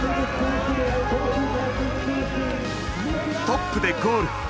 トップでゴール。